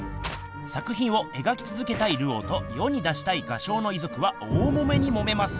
作品をえがきつづけたいルオーと世に出したい画商の遺族は大もめにもめます。